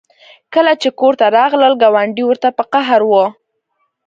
کله چې کور ته راغلل ګاونډۍ ورته په قهر وه